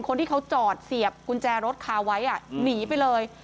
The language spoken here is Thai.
คนที่เขาจอดเสียบกุญแจรถคาไว้หนีไปเลย